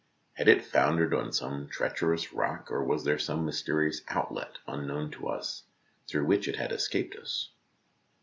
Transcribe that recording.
Had it foundered on some treacherous rock, or was there some mysterious outlet un known to man, through which it had escaped us?